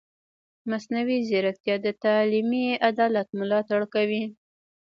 مصنوعي ځیرکتیا د تعلیمي عدالت ملاتړ کوي.